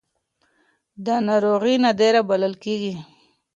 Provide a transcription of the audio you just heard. دا ناروغي نادره بلل کېږي.